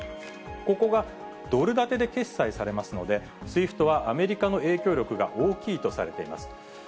ここがドル建てで決済されますので、ＳＷＩＦＴはアメリカの影響力が大きいとされています。